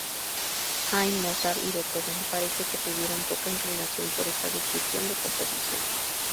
Haydn, Mozart y Beethoven parece que tuvieron poca inclinación por esta descripción de composición.